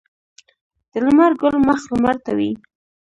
د لمر ګل مخ لمر ته وي.